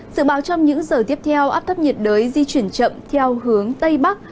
sự báo trong những giờ tiếp theo áp thấp nhiệt đới di chuyển chậm theo hướng tây bắc